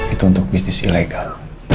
itu untuk bisnis ilegal